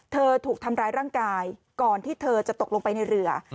ถูกทำร้ายร่างกายก่อนที่เธอจะตกลงไปในเรือ